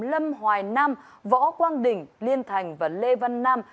lâm hoài nam võ quang đỉnh liên thành và lê văn nam